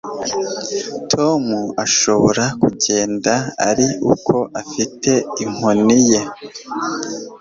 Tom ashobora kugenda ari uko afite inkoni ye